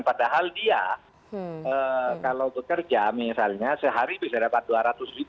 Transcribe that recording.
padahal dia kalau bekerja misalnya sehari bisa dapat dua ratus